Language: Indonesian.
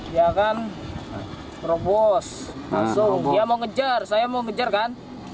dia akan berobos langsung dia mau ngejar saya mau ngejar kan